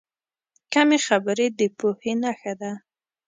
کمې خبرې، د پوهې نښه ده.